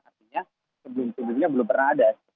artinya sebelum sebelumnya belum pernah ada